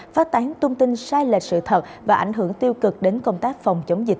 phát tán thông tin sai lệch sự thật và ảnh hưởng tiêu cực đến công tác phòng chống dịch